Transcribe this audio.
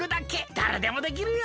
だれでもできるよ。